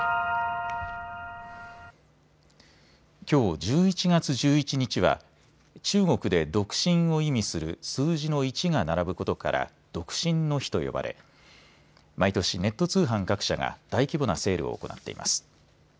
きょう１１月１１日は中国で独身を意味する数字の１が並ぶことから独身の日と呼ばれ毎年、ネット通販各社が大規模なセールを行っています。